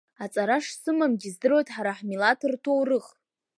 Аҵара шсымамгьы издыруеит ҳара ҳмилаҭ рҭоурых.